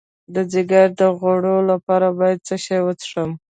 د ځیګر د غوړ لپاره باید څه شی وڅښم؟